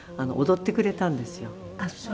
あっそう。